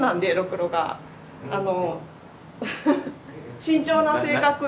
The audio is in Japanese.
慎重な性格が。